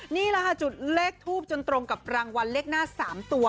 นี่แหละค่ะจุดเลขทูบจนตรงกับรางวัลเลขหน้า๓ตัว